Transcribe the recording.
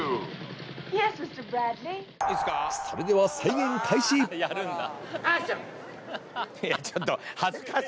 それでは再現開始やるんだ。